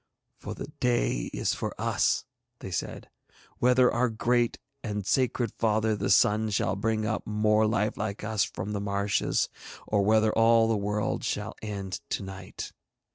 'For the day is for us,' they said, 'whether our great and sacred father the Sun shall bring up more life like us from the marshes, or whether all the world shall end to night.'